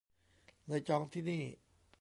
เลยจองที่นี่